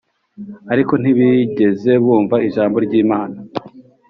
Ariko Ntibigeze Bumva Ijambo Ry Imana